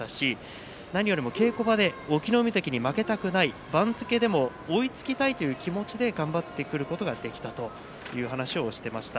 何より稽古場で隠岐の海関に負けたくない番付でも追いつきたいという気持ちで頑張ってくることができたという話をしていました。